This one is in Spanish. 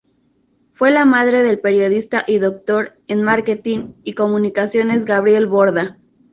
Fue la madre del Periodista y Doctor en Marketing y Comunicaciones Gabriel Borda.